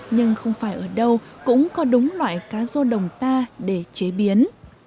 nhưng không phải ở đâu cũng có đúng loại cá rô đồng ta để chế biến